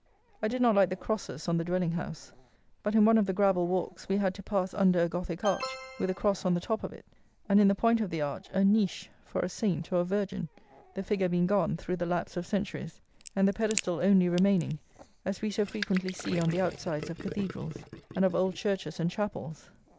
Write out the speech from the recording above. I did not like the crosses on the dwelling house; but, in one of the gravel walks, we had to pass under a gothic arch, with a cross on the top of it, and in the point of the arch a niche for a saint or a virgin, the figure being gone through the lapse of centuries, and the pedestal only remaining as we so frequently see on the outsides of Cathedrals and of old Churches and Chapels.